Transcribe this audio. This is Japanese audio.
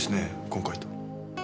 今回と。